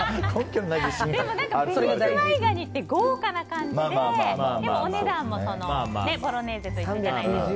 でも、紅ズワイガニって豪華な感じででもお値段もボロネーゼと一緒じゃないですか。